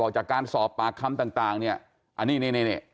จากการสอบปากคำต่างเนี่ยอันนี้นี่